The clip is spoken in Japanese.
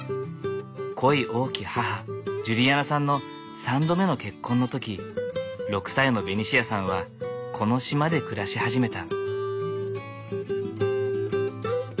恋多き母ジュリアナさんの３度目の結婚の時６歳のベニシアさんはこの島で暮らし始めた。